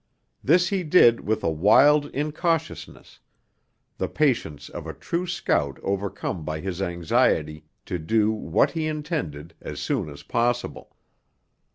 This he did with a wild incautiousness, the patience of the true scout overcome by his anxiety to do what he intended as soon as possible.